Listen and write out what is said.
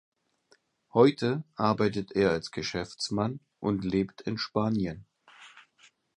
Heute arbeitet er als Geschäftsmann und lebt in Spanien.